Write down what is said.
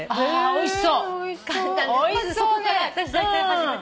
おいしそう。